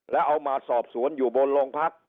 แล้วเอามาสอบสวนอยู่บนโรงพัก